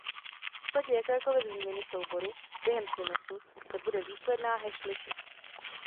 V případě jakékoliv změny souboru během přenosu se bude výsledná hash lišit.